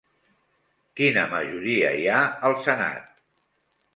Quina majoria hi ha al senat?